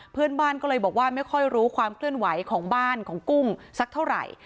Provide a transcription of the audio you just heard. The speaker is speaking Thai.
เพื่อนบ้านก็เลยบอกว่าไม่ค่อยรู้ความเคลื่อนไหวของบ้านของกุ้งสักเท่าไหร่